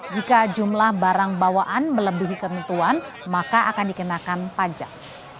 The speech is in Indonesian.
jika jumlah barang bawaan melebihi ketentuan maka akan dikenakan pajak